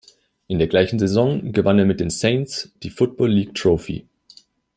In der gleichen Saison gewann er mit den "Saints" die Football League Trophy.